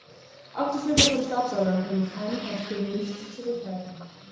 Auch die Filter von Staubsaugern können die feinen Partikel nicht zurückhalten.